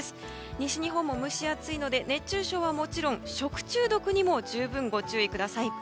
西日本も蒸し暑いので熱中症はもちろん食中毒にも十分ご注意ください。